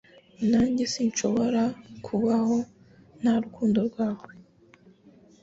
Nanjye sinshobora kubaho nta rukundo rwawe